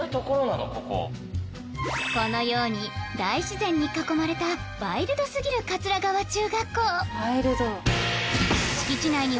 このように大自然に囲まれたワイルド過ぎる川中学校